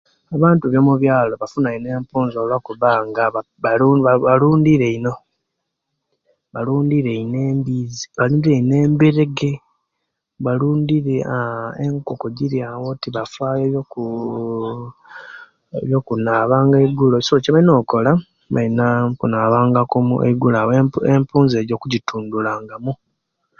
Abantu bamubialo bafuna ino empuuza olwa kubanga ba ba balundire ino balundire ino endizi balundire ino emberege balundire aah aah enkoko jjiriawo awo tibafayo ebyebuuu ebyekunaba eigulo so ekyebalinakola balina okunaba ku eigulo awo empuiza ejjo kujjitundula ngamu